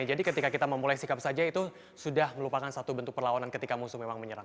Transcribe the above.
jadi ketika kita memulai sikap saja itu sudah melupakan satu bentuk perlawanan ketika musuh memang menyerang